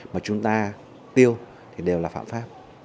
mà chúng ta tiêu thì đều là phạm pháp